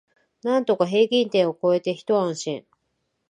なんとか平均点を超えてひと安心